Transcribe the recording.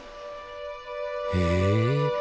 へえ！